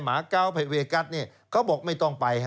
หมาเก้าไปเวกัสเขาบอกไม่ต้องไป